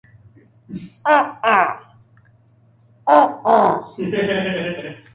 Ortiz was married and had four children.